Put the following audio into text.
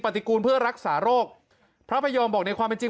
กูลเพื่อรักษาโรคพระพยอมบอกในความเป็นจริง